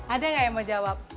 ada nggak yang mau jawab